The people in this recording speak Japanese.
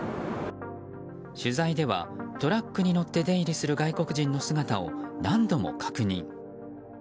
取材ではトラックに乗って出入りする外国人の姿を何度も確認。